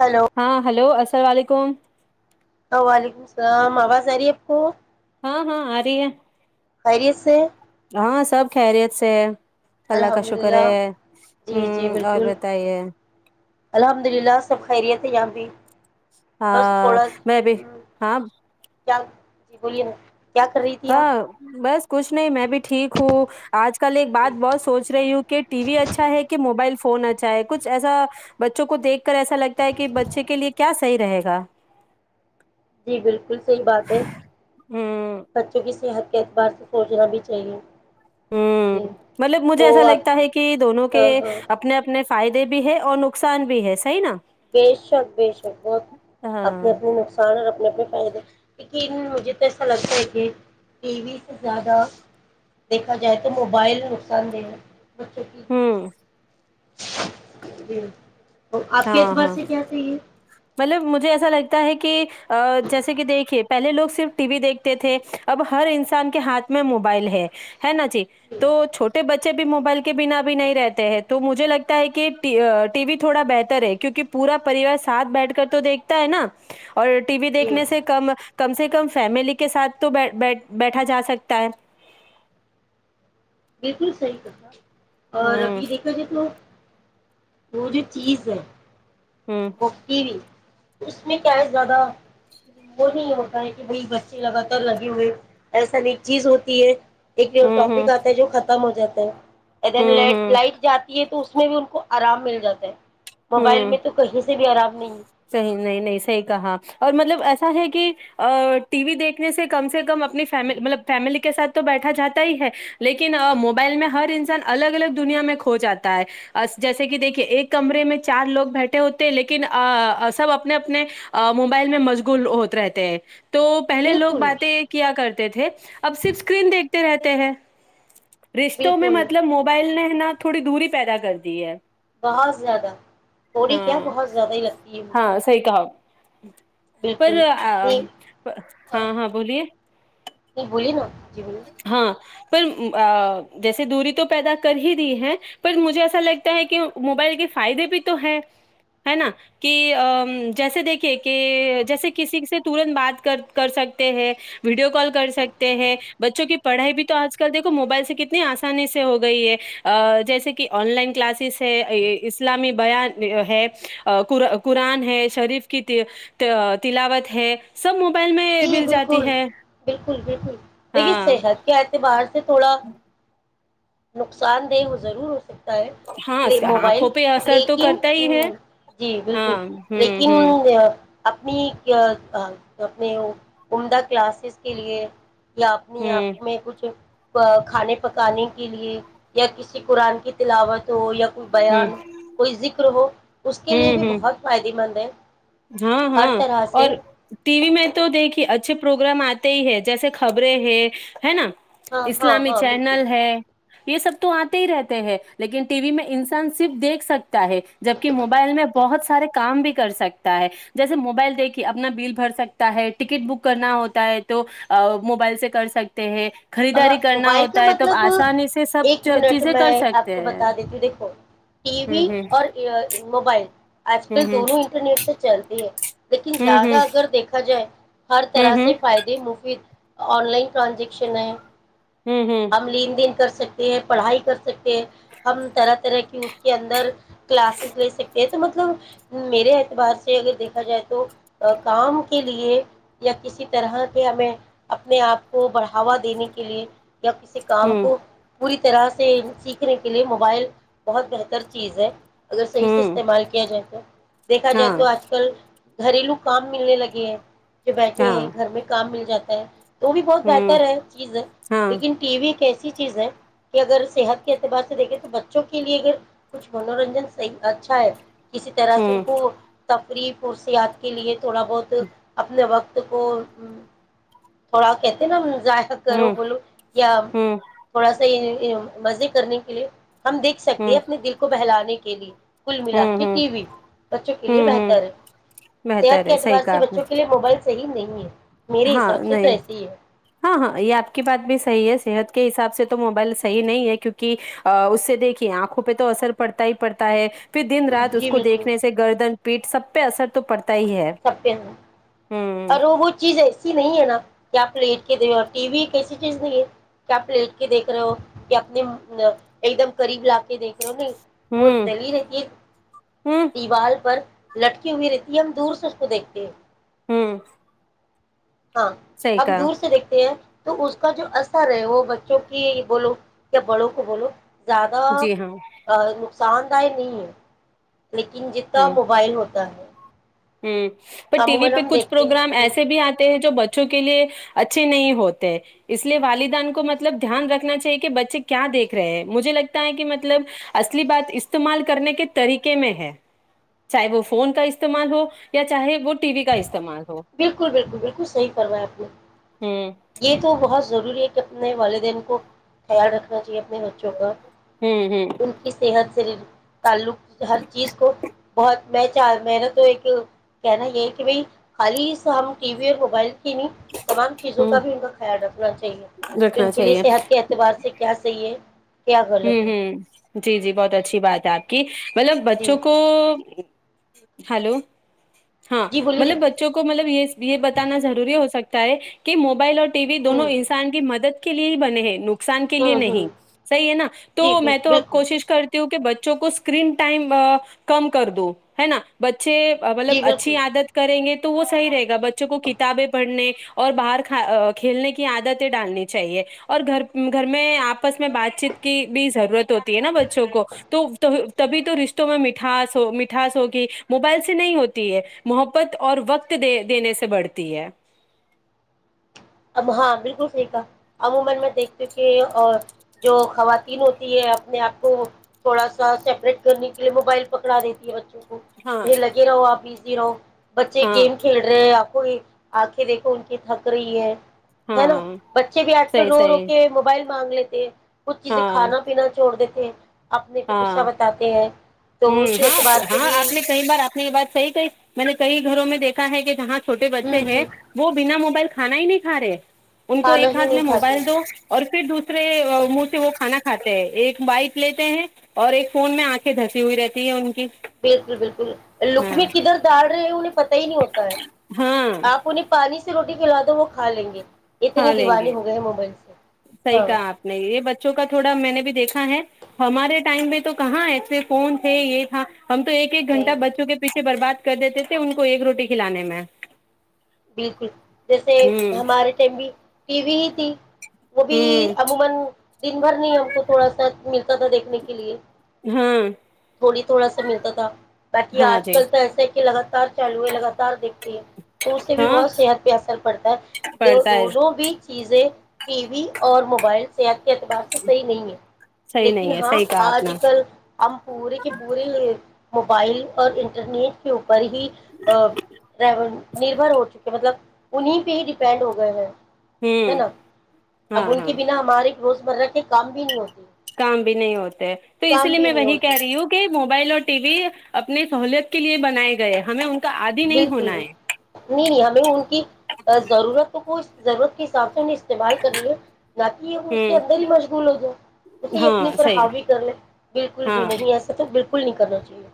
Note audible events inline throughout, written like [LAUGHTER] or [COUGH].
hello ہاں hello السلام علیکم وعلیکم السلام آواز آ رہی ہے آپ کو ہاں ہاں آ رہ ہے پری ای سے ہاں سب خیریت سے ہے اللہ کا الحمد شکر للہ ہے جی جی ہوں اور بالکل بتائیے الحمد للہ سب خیریت سیا بھی بس ہاں تھوڑا میں بھی ہاں کیا جی بولیے نا کیا کر رہی تھی ہاں آپ بس کچھ نہیں میں بھی ٹھیک ہوں آج کل ایک جی بات بہت سوچ رہی ہوں کہ ٹی وی اچھا ہے کہ موبائل فون فون اچ چا ہے کچھ ایسا بچوں کو دھ ایسا لگتا ہے کہ بچے کے لیے کیا صحی رہے گا د [UNINTELLIGIBLE] جی بالکل صحی بات ہے ہوں [UNINTELLIGIBLE] بچوں کی صحت کے اعتبار سے سوچنا بھی چاہیے [UNINTELLIGIBLE] ہ جی مطلب مجھے تو ایسا آپ لگتا ہے کہ دونوں کے ہاں ہاں اپنے اپنے [UNINTELLIGIBLE] فائدے بھی ہے اور نقصان بھی ہے صحیح نا بے شک بے شک بہت اپنے ہاں اپنے نقصان اور [UNINTELLIGIBLE] ن بھی فائدے [UNINTELLIGIBLE] ہوجے توسا لگتا ہے [UNINTELLIGIBLE] کہ ٹی وی سے زیادہ دیکھا جائے تو موبائل نقصان دہ ہے [UNINTELLIGIBLE] ہوں [UNINTELLIGIBLE] جی [UNINTELLIGIBLE] ہاں ہاں سے کیا صحیح ہے مطلب مجھے ایسا لگتا کہ جیسے کہ دیکھیے پہلے لوگ صرف ٹی وی دیکھتے تھے اب ہر انسان کے ہاتھ میں موبائل ہے ہے نا جی تو چھوٹے بچے بھی موبائل کے بنا بھی نہیں رہتے ہیں تو مجھے لگتا ہے کہ ٹی وی تھوڑا بہتر ہے کیونکہ پورا پریوار ساتھ بیٹھ کر تو دیکھتا ہے نا اور ٹی وی جی دیکھنے سے کم کم سے کم فیملی کے ساتھ تو بی بیٹھا جا سکتا ہے بالکل صحیح کہ تھا [UNINTELLIGIBLE] اور ہوں ابھی دیکھا جائے تو [UNINTELLIGIBLE] وہ جو چیز ہے ہوں [INAUDIBLE] مکی بھی [INAUDIBLE] اس میں کیا زیادہ وہ نہیں ہوتا ہے کہ بھائی بچے لگاتار لگے ہوئے ایسا ن ایک چیز ہوتی ہے ایک جو ہوں ہوں ٹاپک ختم ہو جاتا ہیں دن ہوں ہوں لائٹ جاتی ہے تو تو اس میں بھی ان کو آرام مل جاتا ہے موبائل ہوں میں تو کہیں بھی آرام نہیں صحیح نہیں نہیں صحیح کہا اور مطلب ایسا ایا ہے کہ ٹی وی دیکھنے سے کم سے کم اپنی ف مطلب فیملی کے سھ تو بیٹھا جاتا ہی ہے لیکن موبائل میں ہر انسان الگ الگ دنیا میں کھو جاتا ہے جیسے کہ دیکھیے ایک کمرے میں چار لوگ بیٹھے ہوتے ہیں لیکن سب اپنے اپنے موبائل میں مجغول ہوتے رہتے ہیں تو پہلے لوگ بالکل باتیں کیا کرتے تھے اب صرف اسکرین دیکھتے رہتے ہیں رشتوں میں بالکل مطلب موبائل نے نہ تھوڑی دوری پیدا کرتی ہے بہت زیادہ تھوڑی کیا بہت زیادہ ہی لگتی ہے مجھے سح کہ پر بالکل نہیں ہاں ہاں نہیں بولیے بولیے نا جی بولیے ہاں پر جیس دوری تو پیدا کر ہی رہ ہے پر مجھے ایسا لگتا ہے کہ موبائل کے فائدے بھی تو ہے ہے نا کہ جیسے دیکھیے کہ جیسے کسی سے ترنت بات کر سکتے ہیں ویڈیو کال کر سکتے ہیں بچوں کی پڑھائی بھی تو آج کل دیکھو موبائل سے کتنی آسانی سے ہو گئی ہے جیسے کہ آن لائن کلاسز ہے اسلامی بیان ہے قرآن ہے شریف کی تلاوت ہے سب موبائل میں جی مل بالکل جاتی ہے بالکل بالکل دیکے سے ہاں شید کیا آ تھ باہر سے تھوڑا نقصان دہ ہو ضرور ہوے ہاں ہے اس- موبائل آنکھوں پہ اثر تو لیکن کرتا ہی ہے جی بالکل ہاں ہوں لیکن ہوں آپنی عمدہ کلاسز کے لیے یا اپنی آپ ہوں میں کچھ کھانے پکانے کے لیے یا کسی قرآن کی تلاوت ہو یا ہوں بیان کوئی ذکر ہو اس کے لیے ہوں بھی ہوں بہت فائدے مند [INAUDIBLE] ہاں ہر ہاں طرح اور سے ٹی وی میں تو دیکھیے اچھے پروگرام آتے ہی ہے جیسے خبریں ہے ہے نا ہاں ہاں اسلامی ہاں بالکل چینل ہے یہ سب تو آتے ہی رہتے ہیں لیکن ٹی وی میں انسان صرف دیکھ سکتے ہے جبکہ موبائل میں بہت سے سارے کام بھی کر سکتے ہے جیسے موبائل دیکھیے اپنا بل بھر سکتا ہے ٹکٹ بک کرنا ہوتا ہے تو موبائل سے کر سکتے ہیں ہ خریداری کرنا موبائل کا ہوتا ہے تب مطلب آسانی سے ایک سب منٹ چیزیں میں کر آپ سکتے کو ہیں بتا دیتی ہوں دیکھو ٹی ہ وی ہ اور موبائل آج کل ہ دونوں انٹرنیٹ سے چلتے ہیں [INAUDIBLE] لیکن ہ زیادہ ہ اگر دیکھا جائے ہر ہ ہ طرح ہ سے فائدے مفید آن لائن ٹرانزیکشن ہے ہ ہم لین دن کر سکتے ہیں پڑھائی کر سکتے ہیں ہم طرح طرح کی اس کے اندر کلاسز لے سکتے ہیں تو مطلب میرے اعتبار سے اگر دیکھا جائے تو کام کے لیے یا کسی طرح کے ہمیں اپنے آپ کو بڑھاوا دینے کے لیے یا کسی ہ کام کو پوری اس طرح سے سیکھنے کے لیے موبائل بہت بہتر چیز ہے اگر ہ صحیح سے ہ استعمال کیا جائے تو دیکھا جائے ہاں تو آج کل گھریلو کام ملنے لگے ہیں ج بیٹھے ہیں ہاں گھر میں کام مل جاتا ایک تو بھی بہت ہوں بہتر ہے چیز ہے ہاں لیکن ٹی وی ایسی چیز ہے کہ اگر صحت کے اعتبار سے دیکھیں تو بچوں کے لیے اگر کچھ منورنجن صح اچھا ہے کسی طرح سے ان ہوں کو ری پورسیاد کے لیے تھوڑا بہت اپنے وقت کو تھوڑا کہتے نا ظاہر کرو ہوں بولو یا ہوں تھوڑا سا یہ مزے کرنے کے لیے ہم دیکھ سکتے ہیں ہوں اپنے دل کو بہلانے کے کےلی کل ملا ہوں ہوں کے ٹی وی بچوں کے لیے ہوں ہوں بہتر ہے بہتر صحت کے ہے صحیح اعتبار سے کہا آپ نے بچوں کے لیے موبائل صحیح نہیں ہے میرے ہاں حساب سے تو نہیں ایسے ہی ہے ہاں ہاں یاد کی بات بھی صحیح ہے صحت کے حساب سے تو موبائل صحی نہیں ہے کیونکہ اس سے دیکھیے آنکھوں پہ تو اثر پڑتا ہی پڑتا ہے پھر دن رات اس جی کو دیکھنے سے گردن پیٹ سب پہ ار سبہ ہ ہوں اور وہ وہ چیز ہے نہیں ہے نا کیا پلیٹ کے د رہ ہو ٹی وی ایک ایسی چیز نہیں ہے کیا پلیٹ کے دیکھ رہے ہو یا اپنے ایک دم قریب لا کے دیکھ رہے ہو نہیں اور ہوں دلیل نتی ہوں دیوال پر لٹکی ہوئی رہتی یہ ہم دور سے اس کو دیکھتے ہیں ہوں ہاں صحیح ہم کہا دور سے دیکھتے ہیں تو اس کا جو اثر ہے وہ بچوں کی بولو یا بڑوں کو بولو زیادہ جی ہاں ن ساندہ نہیں لیکن جتنا ہوں موبائل ہوتا ہے ہوں پر ٹی عموما وی پہ ہم کچھ دیکھتے ہیں پروگرام جی ایسے بھی آتے ہیں جو بچوں کے لیے اچھے نہیں ہوتے اس لیے والدان کو مطلب دھیان رکھنا چاہیے کہ بچے کیا دیکھ رہے ہیں مجھے لگتا ہے کہ مطلب اصلی بات استعمال کرنے کے طریقے میں ہے چاہے وہ فون کا استعمال ہو یا چاہے وہ ٹی وی کا استعمال ہو بالکل بالکل بالکل صحیح فوا ہے آپ نے ہوں یہ تو بہت ضروری ہے کہ اپنے والدین کو خیال رکھنا چاہیے بچوں کا ہوں ہوں ان کی صحت شریر تعلق ہر چیز کو بہت میں چاہ میرا تو ایک کہنا یہ کہ بھائی خالی سا ہم ٹی وی اور موبائل نہیں تمام چیزوں کا ہوں بھی ان کا خیال رکھنا چاہیے کہ ان رکھنا کے لیے چاہیے صحت کے اعتبار سے کیا صحیح ہے کیا غلط ہوں ہے ہوں جی جی بہت اچھی بات ہے آپ کی مطلب جی بچوں کو ہلو ہاں جی بولیے نا مطلب بچوں کو مطلب یہ یہ بتانا ضروری ہو سکتا ہے کہ موبائل اور ٹی وی دونوں ہوں انسان کی مدد کے لیے ہی بنے ہیں نوک [UNINTELLIGIBLE] نقصان کے لیے ہوں نہیں ہوں صحی ہے نا [UNINTELLIGIBLE] تو جی میں بل- تو اب بالکل کوشش کری [UNINTELLIGIBLE] ہ کہ بچوں کو اسکرین ٹائم کم کر دو ہے نا بچے [UNINTELLIGIBLE] اچھے مطلب جی اچھی بالکل عادت کریں گے [UNINTELLIGIBLE] تو وہ صحی رہے گا بچوں کو کتابیں پڑھنے اور باہر کھیلنے کی عادتیں ڈالنی چاہیے اور گھر گھر میں آپس میں بات چیت [UNINTELLIGIBLE] کی بھی ضرورت ہوتی ہے نا بچوں کو تو تبھی تو رشتوں میں مٹھاس ہو مٹھاس ہوگی موبائل سے نہیں ہوتی ہے محبت اور وقت د دینے سے بڑھتی ہے [UNINTELLIGIBLE] [UNINTELLIGIBLE] پھر لگے ہاں رہاو آپ [UNINTELLIGIBLE] زیرو [INAUDIBLE] بچے ہاں گیم کھیل رہے ہیں آپ [UNINTELLIGIBLE] کوئی آنکھیں دیکھو ان کی تھک رہی ہے [UNINTELLIGIBLE] ہے نا ہاں بچے بھی آج کل صحیح رو رو صحیح کے موبائل [UNINTELLIGIBLE] بانگلے تھ کچ چیزیں ہاں کھانا پینا چھوڑ دتے ج اپنے پہ غصہ بتاتے ہیں ہ تو اس ہاں اعتبار سے ہاں بھی آپ نے کئی بار آپ نے یہ بات صحی کہ میں نے کہئی وں میں دیکھا ہے کہ جہاں سے چھوٹے بچے ہوں ہیں ہوں وہ بنا موبائل کے کھانا ہی نہیں کا رہے ان کو کھانا ایک ہی ہاتھ نہیں میں کھاتے موبائل ہیں دو اور پھر پھر دوسرے منہ سے وہ کھانا کھاتے ہیں ایک بائک لیتے ہیں اور ایک فون میں آنکھے دھرتے سی ہوئی رہتی ہے ان کی بالکل بالکل ہاں لکم کدھر داڑ رہے انہیں پتا ہی نہیں ہوتا ہے ہاں آپ انہیں پانی سے سے روٹی کھلا دو وہ کا لیں گے اتنے دیوانے ہو گئے ہیں موبائل سے صحی ہاں کہا آپ نے یہ بچوں کا تھوڑا میں نے بھی دیکھا ہے ہمارے ٹائم میں تو کہاں ایسے فون تھے یہ تھا ہم تو ایک گنٹ نہیں بچوں کے پیھے برباد کر دیتے تھے ان کو ایک روٹی کھلانے میں بالکل جیسے ہوں ہمارے ٹائم بھی ٹی وی تھی وہ بھی ہوں عموما دن بھر نہیں ہم کو تھوڑا سا ملتا تھا دیکھنے کے لیے ہاں تھوڑی تھوڑا سا ملتا تھا باقی ہاں آج جی کل تو ایسا ہے کہ لگاتار چلوئے لگاتار دیکھتے ہیں تو اس سے بھی ہاں بہت صحت پہ اثر پڑتا ہے پڑتا ہے دونوں بھی چیزیں ٹی وی اور موبائل صحت کے اعتبار سے صحیح نہیں ہے صحیح لیکن نہیں ہے ہاں صحیح کہا آپ نے آج کل ہم پورے کے پورے موبائل اور انٹرنیٹ کے اوپر ہی ری نربھر ہو چکے مطلب انہیں پہ ہی ڈیپینڈ ہو گئے ہیں ہے ہوں نا ہاں اب ان ہاں کے بنا ہماریے روزمرہ کے کام بھی نہیں ہوتے کام بھی نہیں ہوتے تو اس لیے بھی میں نہیں وہی ہوتی کہہ رہی ہوں کہ موبائل اور ٹی وی اپنی سہولت کے لیے بنائے گئے ہمیں ان کو بالکل نہیں نہیں ہمیں ان کی ضرورت تو ہو ضرورت کے حساب سے استعمال کرنیے نہ کہ یہ اس کے ہوں اندر ہی مشغول ہو جائے اسے اپنے ہاں اوپر صحیح حاوی کر لے بالکل ہاں بھی نہیں ایسا تو بالکل کل نہیں کرنا چاہیے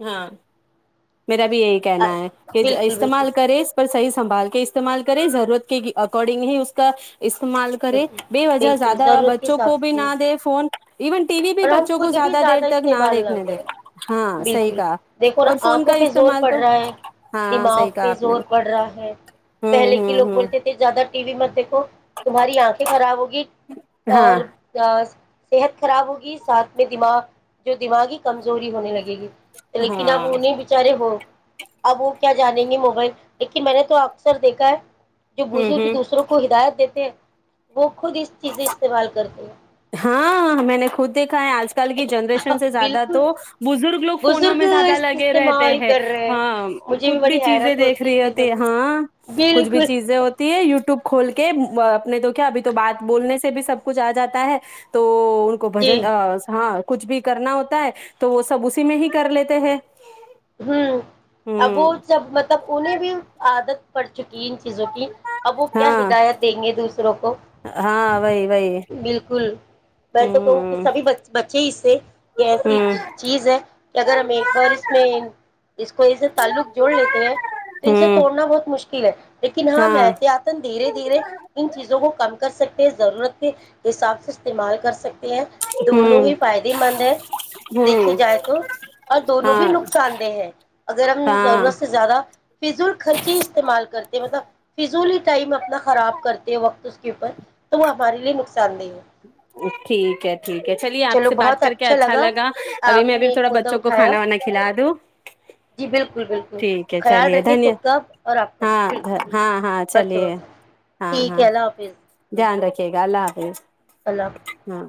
ہاں میرا بھی یہی کہنا ہے کہ بالکل بالکل استعمال کرے اس پر صحیح سنبھال کے استعمال کریں ضرورت کے اکارڈنگ ہی اس کا استعمال کرے بالکل بے وجہ بالکل زیادہ ضرورت کے بچوں حساب کو سے بھی جی نہ دے فون ایون ٹی وی پہ اور ہم بچوں کو خود بھی زیادہ دیر تک نہ استعمال دیکھنے دے کریں ہاں صحیح بالکل کہا دیکھو نا اور فون کا آنکھوں پہ زور استعمال پڑ تو رہا ہے ہاں دماغ صحیح کہا پہ آپ نے زور پڑ رہا ہے ہوں پہلے کے ہوں لوگ ہوں بولتے تھے زیادہ ٹی و مت تمہاری آنکھیں خراب ہوگی اور ہاں صحت خراب ہوگی ساتھ میں دماغ جو دماغی کمزوری ہونے لگے گی لیکن اپ ہاں انہیں بچارے ہو اب وہ کیا جانیں گے موبائل دیکے میں نے تو اکثر دیکھا ہے جو ہوں بزرگ ہوں دوسروں کو ہدات دیتے ہیں وہ خود اس چیزیں استعمال کرتے ہیں ہاں میں نے خود دیکھا ہے آج کل کی جنریشن سے زیادہ بالکل تو بزرگ لوگ فونوں بزرگ میں زیادہ اس لگے رہتے استعمال ہیں کر رہے ہاں مجھے کچھ بھی بڑی چیزیں حیرت دیکھ ہے رہی چیزوں ہوتی کو ہاں کچھ بھی بالکل چیزیں ہوتی ہے یوٹیوب کھول کے اپنے تو کیا ابھی تو بات بولنے سے بھی سب کچھ جاتا ہے تو ان کو جی بجن ہاں کچھ بھی کرنا ہوتا ہے تو وہ سب اسی میں ہی کر لیتے ہیں ہوں اب وہ ہوں سب مطلب انہیں بھی عادت پڑ چکی ہے ان چیزوں کی اب وہ کیا ہاں ہدایت دیں گے دوسروں کو ہاں وہی وہی بالکل میں تو کہوں کہ ہوں سبھی بچے اس سے یہ ایسی ہوں چیز ہے کہ اگر ہم ایک بار اس میں اس کو ای سے تعلق جوڑ لیتے ہیں تو ان سے ہوں توڑنا بہت مشکل [INAUDIBLE] لیکن ہاں مت آتن دھیرے دھیرے ان چیزوں کو کم کر سکتے ہیں ضرورت کے حساب سے استعمال کر سکتے ہیں دونوں ہوں ہی فائدے مند ہیں دیکھے ہوں جائے تو اور دونوں بھی ہاں نق ان دہ ہے اگر ہم ہاں ضرورت سے زیادہ فضول خرچی استعمال کرتے مطلب فضول ٹائم اپنا خراب کرتے وقت اوپر تو وہ ہمارے لیے نقصان دہ ہے ٹھیک ہے ٹھیک ہے چلیے آپ سے بات کر کے اچھا لگا ابھی آپ میں نے ابھی ایک تھوڑا مدعا بچوں کو اٹھایا کھانا وانا کھلا دوں جی بالکل بالکل ٹھیک ہے خیال چلیے رکھے دھنیہ خود کا اور آپ کا بھی جی ہاں بالکل بالکل ہاں ہاں بچ چلیے بس ہاں ٹھیک ہاں ہے اللہ حافظ جی دھیان رکھیے [INAUDIBLE] اللہ حافظ ہاں